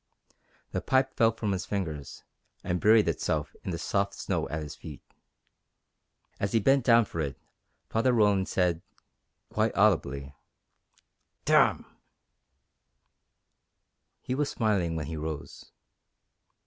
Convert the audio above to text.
The pipe fell from his fingers and buried itself in the soft snow at his feet. As he bent down for it Father Roland said quite audibly: "Damn!" He was smiling when he rose.